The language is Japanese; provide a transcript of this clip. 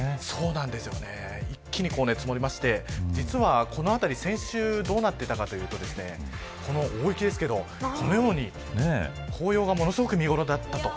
一気に積もりまして実はこの辺り先週どうなっていたかというとこの大雪ですけど、このように紅葉がものすごく見頃だったと。